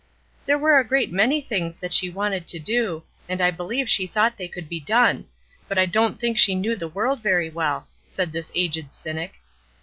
"There were a great many things that she wanted to do, and I believe she thought they could be done; but I don't think she knew the world very well," said this aged cynic.